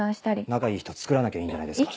仲いい人つくらなきゃいいんじゃないですか。